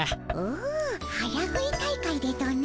お早食い大会でとな。